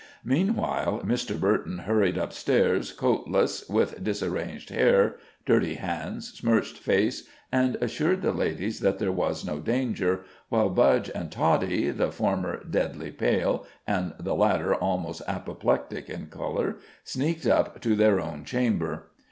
Meanwhile Mr. Burton hurried up stairs coatless, with disarranged hair, dirty hands, smirched face, and assured the ladies that there was no danger, while Budge and Toddie, the former deadly pale, and the latter almost apoplectic in color, sneaked up to their own chamber.